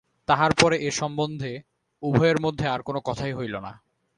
তাহার পরে এ সম্বন্ধে উভয়ের মধ্যে আর-কোনো কথাই হইল না।